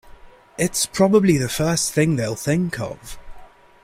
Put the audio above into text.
It's probably the first thing they'll think of.